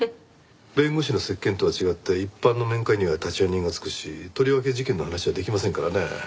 弁護士の接見とは違って一般の面会には立会人がつくしとりわけ事件の話はできませんからね。